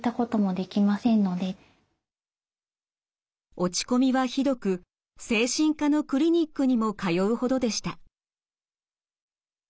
落ち込みはひどく精神科のクリニックにも通うほどでした。